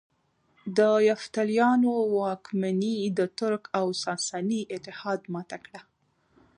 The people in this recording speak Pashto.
د یفتلیانو واکمني د ترک او ساساني اتحاد ماته کړه